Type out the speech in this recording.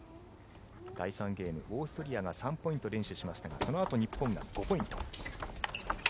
第３ゲームオーストリアが３ポイント連取しましたがそのあと日本が５ポイント。